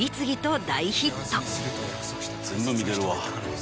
全部見てるわ。